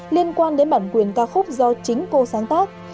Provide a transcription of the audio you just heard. liên quan đến bản quyền ca khúc do chính cô sáng tác